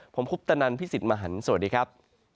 ผมคุปตะนันพี่สิทธิ์มหันฯสวัสดีครับ